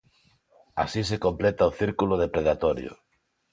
Así se completa o círculo depredatorio.